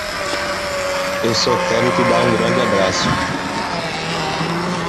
Eu só quero te dar um grande abraço!